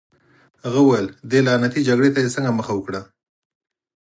هغه وویل: دې لعنتي جګړې ته دې څنګه مخه وکړه؟